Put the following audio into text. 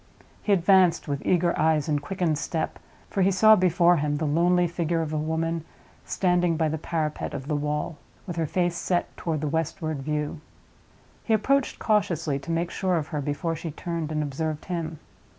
He advanced with eager eyes and quickened step; for he saw before him the lonely figure of a woman, standing by the parapet of the wall, with her face set toward the westward view. He approached cautiously, to make sure of her before she turned and observed him.